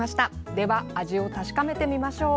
では味を確かめてみましょう。